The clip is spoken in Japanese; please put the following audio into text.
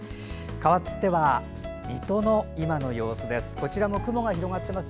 かわっては、水戸の今の様子です。